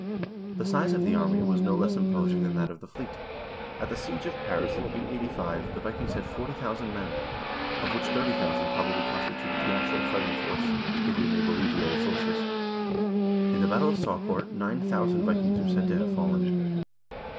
The size of the army was no less imposing than that of the fleet. At the siege of Paris in 885 the Vikings had 40,000 men, of which 30,000 probably constituted the actual fighting force, if we may believe the old sources. In the battle of Saucourt 9000 Vikings are said to have fallen.